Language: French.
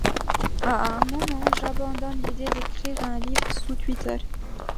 À un moment j’abandonne l’idée d’écrire un livre sous Twitter.